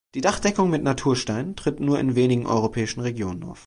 Die Dachdeckung mit Naturstein tritt nur in wenigen europäischen Regionen auf.